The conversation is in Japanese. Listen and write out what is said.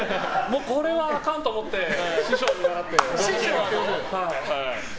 これはあかんと思って師匠にならって。